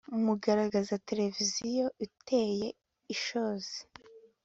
Mugaragaza televiziyo iteye ishozi